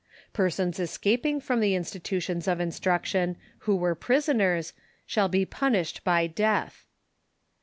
Persons escaping from the institutions of instruction "who were prisoners shall be punished by death.